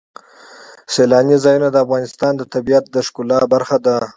سیلانی ځایونه د افغانستان د طبیعت د ښکلا برخه ده.